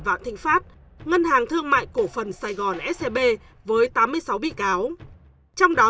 vạn thịnh pháp ngân hàng thương mại cổ phần sài gòn scb với tám mươi sáu bị cáo trong đó bị cáo tòa án nhân dân